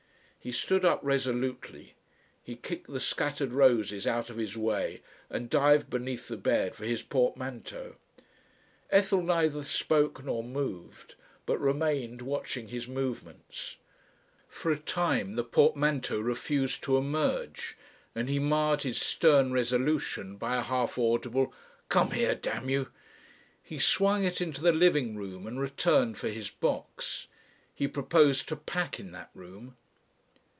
He stood up resolutely. He kicked the scattered roses out of his way and dived beneath the bed for his portmanteau. Ethel neither spoke nor moved, but remained watching his movements. For a time the portmanteau refused to emerge, and he marred his stern resolution by a half audible "Come here damn you!" He swung it into the living room and returned for his box. He proposed to pack in that room.